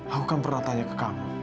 aku kan pernah tanya ke kamu